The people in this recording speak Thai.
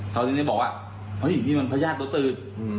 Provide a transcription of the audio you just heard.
เขาจริงบอกว่าเฮ้ยนี่มันพระญาตุตือ